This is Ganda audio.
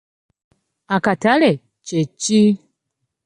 Akatale kye ki?